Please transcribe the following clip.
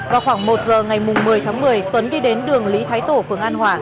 vào khoảng một giờ ngày một mươi tháng một mươi tuấn đi đến đường lý thái tổ phường an hòa